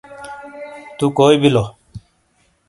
تُو کوئی بیلو!